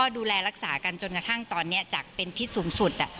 ดูแลรักษากันจนกระทั่งตอนนี้จากเป็นที่สูงสุด